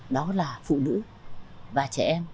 đó là phụ nữ và trẻ em